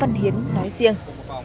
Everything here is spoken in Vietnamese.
văn hiến nói riêng